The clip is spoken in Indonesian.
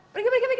pergi pergi pergi